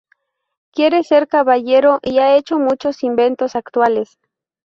Quiere ser caballero y ha hecho muchos inventos actuales.